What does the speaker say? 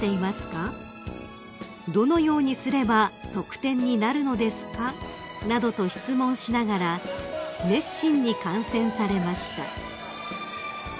「どのようにすれば得点になるのですか？」などと質問しながら熱心に観戦されました］